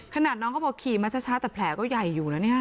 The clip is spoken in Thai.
ขนาดน้องเขาบอกขี่มาช้าแต่แผลก็ใหญ่อยู่นะเนี่ย